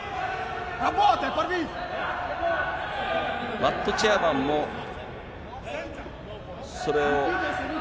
マットチェアマンも、それを。